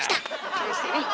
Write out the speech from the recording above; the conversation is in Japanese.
きましたね。